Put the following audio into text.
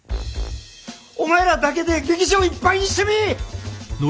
お前らだけで劇場をいっぱいにしてみぃ！